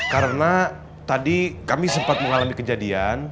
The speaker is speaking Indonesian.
karena tadi kami sempat mengalami kejadian